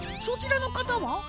そちらのかたは？